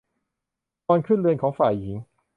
ก่อนขึ้นเรือนของฝ่ายหญิง